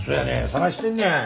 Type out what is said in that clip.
捜してんねや。